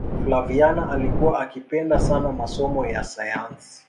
flaviana alikuwa akipenda sana masomo ya sayansi